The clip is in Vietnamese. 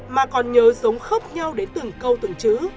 mà còn nhớ giống khớp nhau đến từng câu từng chữ